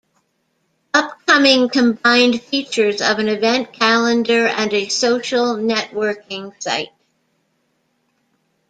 Upcoming combined features of an event calendar and a social networking site.